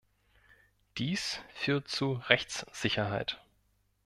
Dies führt zu Rechtssicherheit.